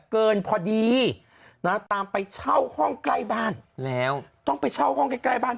พอดีนะตามไปเช่าห้องใกล้บ้านแล้วต้องไปเช่าห้องใกล้ใกล้บ้าน